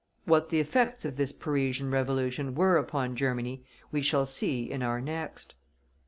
What the effects of this Parisian Revolution were upon Germany we shall see in our next.